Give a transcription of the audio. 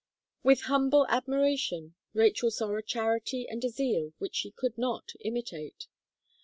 With humble admiration, Rachel saw a charity and a zeal which she could not imitate.